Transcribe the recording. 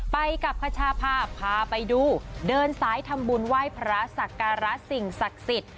ไปกับขชาพาพาไปดูเดินสายทำบุญไหว้พระสักการะสิ่งศักดิ์สิทธิ์